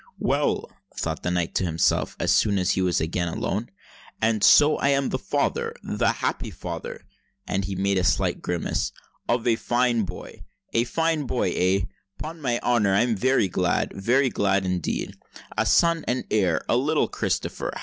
"Well," thought the knight to himself, as soon as he was again alone; "and so I am the father—the happy father,"—and he made a slight grimace,—"of a fine boy. A fine boy—eh! 'Pon my honour, I'm very glad—very glad, indeed! A son and heir—a little Christopher!